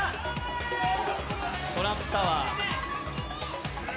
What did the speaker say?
トランプタワー。